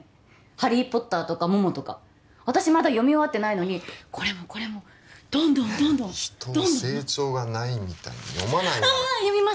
ハリー・ポッターとかモモとか私まだ読み終わってないのにこれもこれもどんどんどんどん人を成長がないみたいに読まないなら読みます